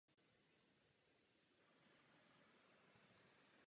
Díky této zprávě se nám představuje jiný obraz kultury.